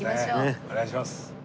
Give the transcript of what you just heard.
お願いします。